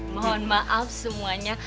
mohon maaf semuanya